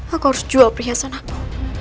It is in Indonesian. aku harus jual perhiasan aku